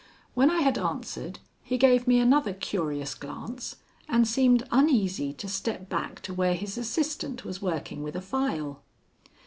When I had answered, he gave me another curious glance and seemed uneasy to step back to where his assistant was working with a file.